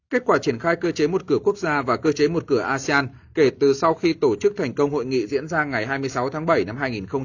kết quả triển khai cơ chế một cửa quốc gia và cơ chế một cửa asean kể từ sau khi tổ chức thành công hội nghị diễn ra ngày hai mươi sáu tháng bảy năm hai nghìn hai mươi